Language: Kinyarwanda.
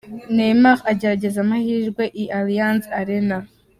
Neymar agerageza amahirwe i Allianz Arena.